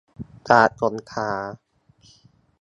จากสงขลา